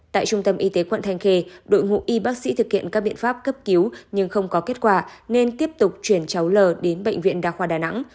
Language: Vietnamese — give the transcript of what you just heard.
tại trung tâm y tế quận thanh khê đội ngũ y bác sĩ thực hiện các biện pháp cấp cứu nhưng không có kết quả nên tiếp tục chuyển cháu l đến bệnh viện đa khoa đà nẵng